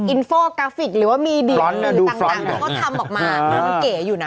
อินโฟกราฟิกหรือว่ามีเดี๋ยวงึดต่างแต่ก็ทำออกมาใช่เก๋อยู่นะ